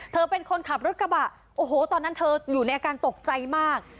เป็นคนขับรถกระบะโอ้โหตอนนั้นเธออยู่ในอาการตกใจมาก